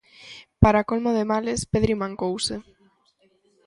Para colmo de males, Pedri mancouse.